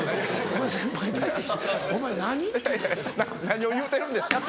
何を言うてるんですか？